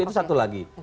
itu satu lagi